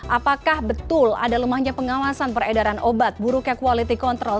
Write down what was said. apakah betul ada lemahnya pengawasan peredaran obat buruknya quality control